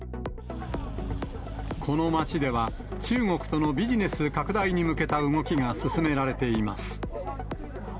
この町では、中国とのビジネス拡大に向けた動きが進められています。